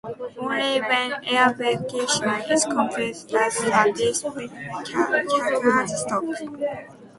Only when air evacuation is complete does the discharge stop.